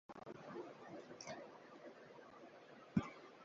অজিতেশ বন্দ্যোপাধ্যায় একজন বাঙালি সাহিত্যিক।